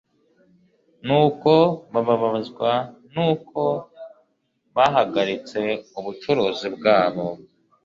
Nuko bababazwa n'uko bahagaritse ubucuruzi bwabo